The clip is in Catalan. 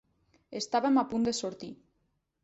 Estàvem a punt de sortir.